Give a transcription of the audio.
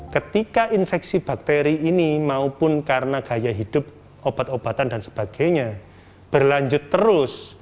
ketika infeksi bakteri ini maupun karena gaya hidup obat obatan dan sebagainya berlanjut terus